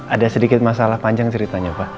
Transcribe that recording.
ada sedikit masalah panjang ceritanya pak